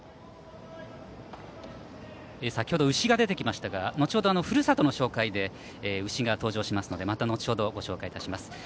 先ほど牛が出てきましたが後程、ふるさとの紹介で牛が登場しますのでまた後程、ご紹介いたします。